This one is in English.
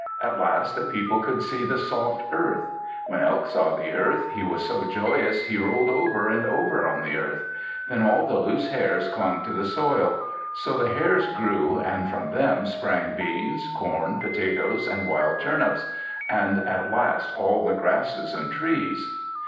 At last the people could see the soft earth. When Elk saw the earth, he was so joyous, he rolled over and over on the earth. Then all the loose hairs clung to the soil. So the hairs grew, and from them sprang beans, corn, potatoes, and wild turnips, and at last all the grasses and trees.